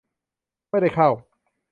ไม่ได้เข้า